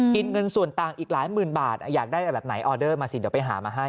เงินส่วนต่างอีกหลายหมื่นบาทอยากได้อะไรแบบไหนออเดอร์มาสิเดี๋ยวไปหามาให้